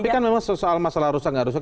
tapi kan memang soal masalah rusak nggak rusak